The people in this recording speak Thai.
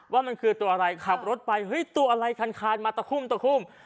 ว่ามันคือตัวอะไรขับรถไปตัวอะไรคันมาตะคุ่ม